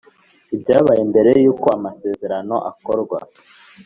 Ibyabaye mbere y uko amasezerano akorwa